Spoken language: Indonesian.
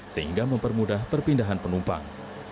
sehingga mempermudah perpindahan penumpang